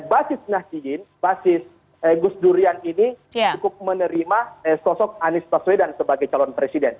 basis nahdiyin basis gus durian ini cukup menerima sosok anies baswedan sebagai calon presiden